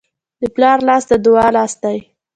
د پلار لاس د دعا لاس دی.